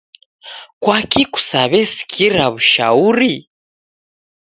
Kwaki kusaw'esikira w'ushauri?